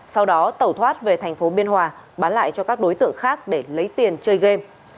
sau đó tẩu thoát về thành phố biên hòa bán lại cho các đối tượng khác để lấy tiền chơi game